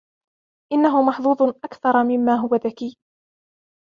إنه محظوظ أكثر مما هو ذكي.